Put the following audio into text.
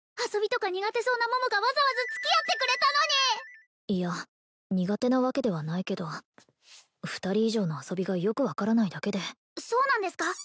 遊びとか苦手そうな桃がわざわざ付き合ってくれたのにいや苦手なわけではないけど２人以上の遊びがよく分からないだけでそうなんですか？